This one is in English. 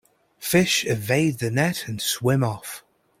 Fish evade the net and swim off.